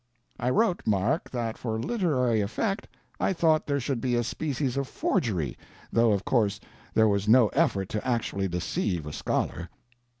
"I wrote Mark that for literary effect I thought there should be a species of forgery, though of course there was no effort to actually deceive a scholar.